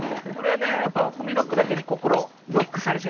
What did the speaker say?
やっぱり「ホミ・ロック」だけに心をロックされちゃいました。